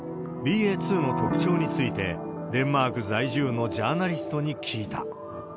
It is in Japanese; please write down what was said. ＢＡ．２の特徴について、デンマーク在住のジャーナリストに聞いた。